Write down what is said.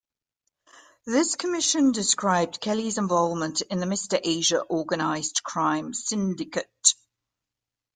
This commission described Kelly's involvement in the Mr Asia organised crime syndicate.